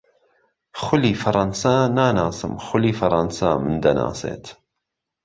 خولی فهرهنسا ناناسم، خولی فهرهنسا من دهناسێت